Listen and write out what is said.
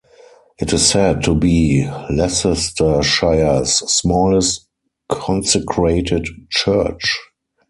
It is said to be Leicestershire's smallest consecrated church.